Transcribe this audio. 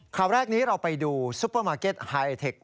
ข่าวแรกนี้เราไปดูซุปเปอร์มาร์เก็ตไฮเทค